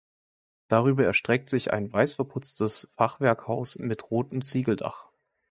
Darüber erstreckt sich ein weiß verputztes Fachwerkhaus mit rotem Ziegeldach.